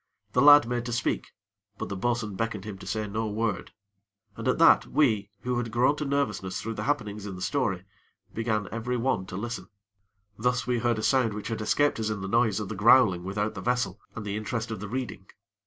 The lad made to speak; but the bo'sun beckoned to him to say no word, and at that we, who had grown to nervousness through the happenings in the story, began every one to listen. Thus we heard a sound which had escaped us in the noise of the growling without the vessel, and the interest of the reading.